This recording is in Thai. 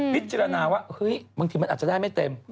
พิจารณาว่าเฮ้ยบางทีมันอาจจะได้ไม่เต็ม